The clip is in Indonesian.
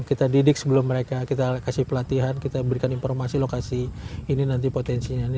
kita didik sebelum mereka kita kasih pelatihan kita berikan informasi lokasi ini nanti potensinya ini